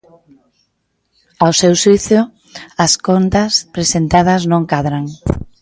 Ao seu xuízo, as contas presentadas non cadran.